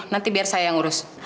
nanti biar saya yang ngurus